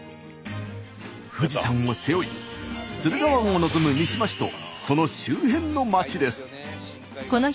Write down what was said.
富士山を背負い駿河湾を望む三島市とその周辺のまちです。